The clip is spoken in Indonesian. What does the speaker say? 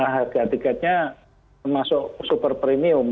harga tiketnya termasuk super premium